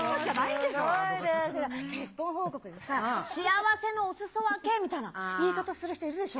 結婚報告でさ、幸せのおすそ分けみたいな言い方する人いるでしょ？